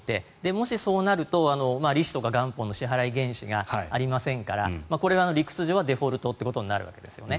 もしそうなると利子とか元本の支払い原資がありませんからこれは理屈上はデフォルトということになるんですね。